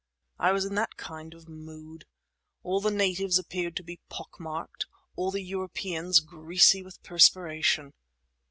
I was in that kind of mood. All the natives appeared to be pockmarked; all the Europeans greasy with perspiration.